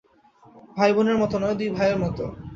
ভাই বোনের মতো নয়, দুই ভাই-এর মতো।